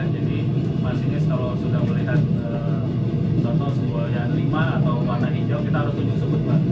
jadi masinis kalau sudah melihat sebuah yang lima atau warna hijau kita harus menunjuk sebut